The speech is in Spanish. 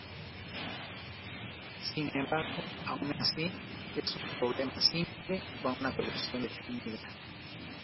Sin embargo, aun así es un problema simple con una solución definida.